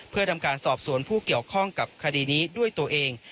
เพื่อทำการสอบสวนผู้เกี่ยวข้องกับคดีนี้ด้วยตัวเอง